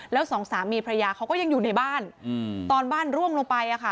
แล้วสองสามีพระยาเขาก็ยังอยู่ในบ้านตอนบ้านร่วงลงไป